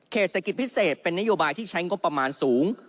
เศรษฐกิจพิเศษเป็นนโยบายที่ใช้งบประมาณสูง